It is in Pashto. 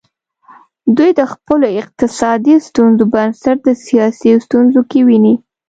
دوی د خپلو اقتصادي ستونزو بنسټ د سیاسي ستونزو کې ویني.